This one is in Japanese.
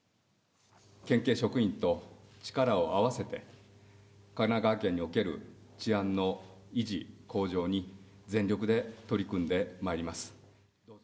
県警職員と力を合わせて、神奈川県における治安の維持・向上に全力で取り組んでまいります。